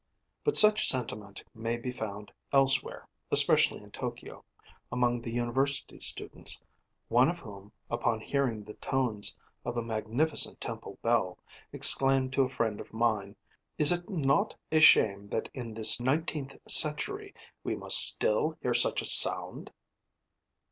But such sentiment may be found elsewhere especially in Tokyo among the university students, one of whom, upon hearing the tones of a magnificent temple bell, exclaimed to a friend of mine: 'Is it not a shame that in this nineteenth century we must still hear such a sound?'